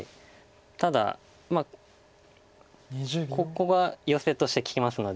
ただここがヨセとして利きますので。